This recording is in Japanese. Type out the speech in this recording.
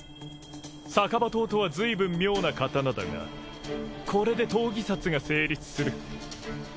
逆刃刀とはずいぶん妙な刀だがこれで当義殺が成立する。